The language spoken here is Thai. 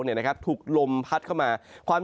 จะผล่มพัดเข้ามา